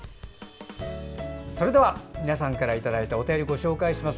それでは、皆さんからいただいたお便りをご紹介します。